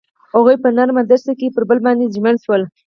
هغوی په نرم دښته کې پر بل باندې ژمن شول.